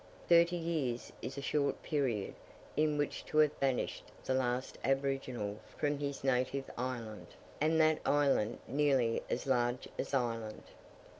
Thirty years is a short period, in which to have banished the last aboriginal from his native island, and that island nearly as large as Ireland.